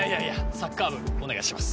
サッカー部お願いします。